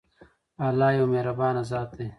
الله يو مهربان ذات دی.